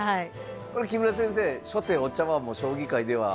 これ木村先生初手お茶はもう将棋界では。